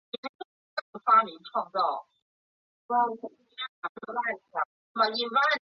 及后约克镇号参与了海军最后两次的舰队解难演习。